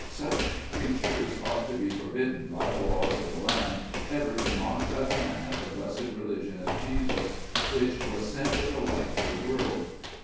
Such preachers ought to be forbidden by the laws of the land ever to mock again at the blessed religion of Jesus, which was sent as a light to the world.